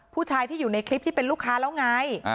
ผู้ชายที่อยู่ในคลิปที่เป็นลูกค้าแล้วไง